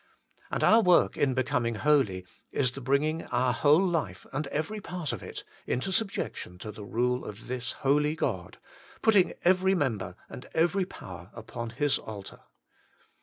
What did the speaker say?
And our work in becoming holy is the bringing our whole life, and every part of it, into subjection to the rule of this holy God, putting every member and every power upon His altar.